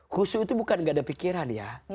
khusu itu bukan enggak ada pikiran ya